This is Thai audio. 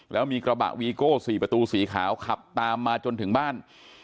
แล้วมีกระบะวีโก้๔ประตูสีขาวขับตามมาจนถึงบ้าน